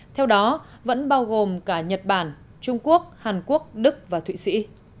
theo đó vẫn bao gồm cả nhật bản trung quốc hàn quốc đức và thụy sĩ